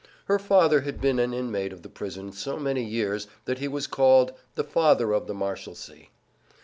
Her father had been an inmate of the prison so many years that he was called "The Father of the Marshalsea."